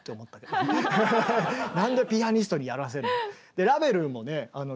何でピアニストにやらせるの。